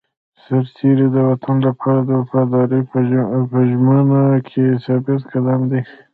سرتېری د وطن لپاره د وفادارۍ په ژمنه کې ثابت قدم دی.